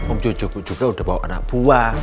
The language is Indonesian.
om cucuku juga udah bawa anak buah